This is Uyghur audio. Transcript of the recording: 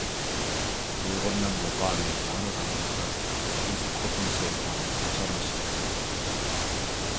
ئۇيغۇرنىڭ مۇقامى ياڭرىغان چاغدا، ئېزىتقۇ جىن-شەيتان قاچارمىش يىراق.